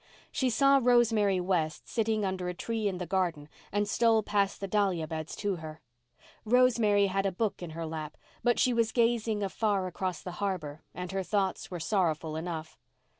She saw Rosemary West sitting under a tree in the garden and stole past the dahlia beds to her. Rosemary had a book in her lap, but she was gazing afar across the harbour and her thoughts were sorrowful enough.